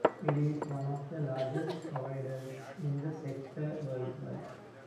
It is one of the largest providers in the sector worldwide.